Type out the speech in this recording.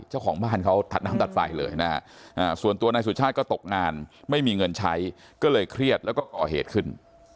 เจ้าของบ้านเขาถัดน้ำตัดไฟเลยนะฮะส่วนตัวนายสุชาติก็ตกงานไม่มีเงินใช้ก็เลยเครียดแล้วก็ก่อเหตุขึ้น